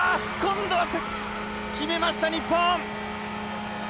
今度は決めました、日本！